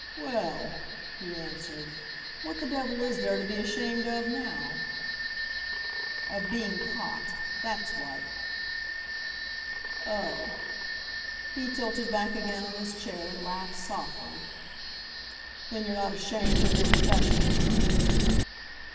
"Well," he answered, "what the devil is there to be ashamed of now?" "Of being caught that's what." "Oh!" He tilted back again on his chair and laughed softly. "Then you're not ashamed of your profession?"